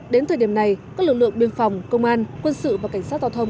đến thời điểm này các lực lượng biên phòng công an quân sự và cảnh sát giao thông